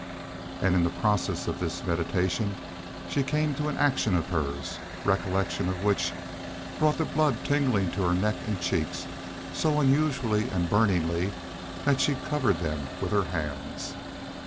And in the process of this meditation she came to an action of hers, recollection of which brought the blood tingling to her neck and cheeks, so unusually and burningly that she covered them with her hands.